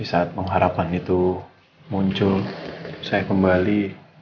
saat pengharapan itu muncul saya kembali